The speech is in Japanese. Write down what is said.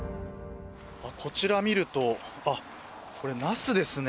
こちら見るとこれ、ナスですね。